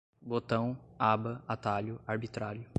botão, aba, atalho, arbitrário